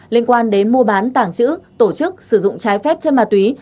liên quan đến mua bán tàng trữ tổ chức sử dụng trái phép chân ma túy